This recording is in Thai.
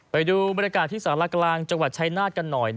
ไปดูบรรยากาศที่สารกลางจังหวัดชายนาฏกันหน่อย